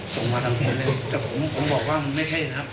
ส่งมาทั้งคนเลยแต่ผมผมบอกว่าไม่ใช่นะครับ